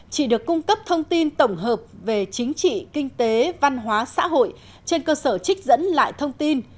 chỉ được cung cấp thông tin tổng hợp về chính trị kinh tế văn hóa xã hội trên cơ sở trích dẫn lại thông tin